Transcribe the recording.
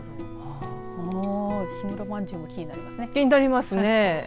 氷室まんじゅうも気になりますね。